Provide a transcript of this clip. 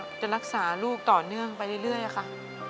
จะรักษาลูกต่อเนื่องไปเรื่อยค่ะ